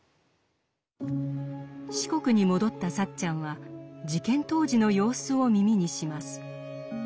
四国に戻ったサッチャンは事件当時の様子を耳にします。